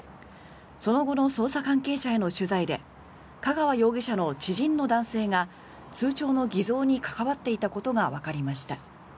その後の捜査関係者への取材で香川容疑者の知人の男性が通帳の偽造に関わっていたことがわかりました。